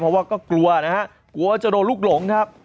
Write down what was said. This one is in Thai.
เพราะว่าก็กลัวนะฮะกลัวจะโดนลูกหลงครับ